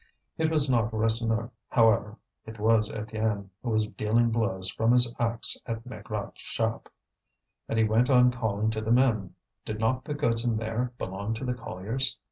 It was not Rasseneur, however, it was Étienne, who was dealing blows from his axe at Maigrat's shop. And he went on calling to the men; did not the goods in there belong to the colliers?